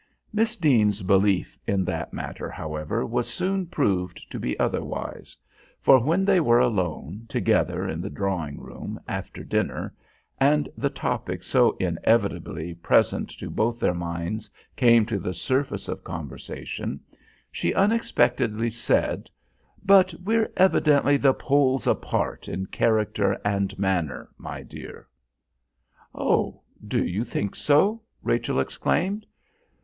Miss Deane's belief in that matter, however, was soon proved to be otherwise; for when they were alone together in the drawing room after dinner, and the topic so inevitably present to both their minds came to the surface of conversation, she unexpectedly said: "But we're evidently the poles apart in character and manner, my dear." "Oh! do you think so?" Rachel exclaimed.